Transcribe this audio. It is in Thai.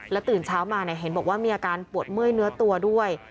ตื่นเช้ามาเห็นบอกว่ามีอาการปวดเมื่อยเนื้อตัวด้วย